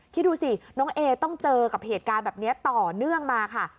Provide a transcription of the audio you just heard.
คิดดูสิน้องเอต้องเจอกับเหตุการณ์แบบนี้ต่อเนื่องมาค่ะ